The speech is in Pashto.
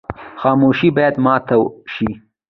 خاموشي باید ماته شي.